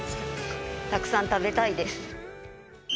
たくさん食べたいです。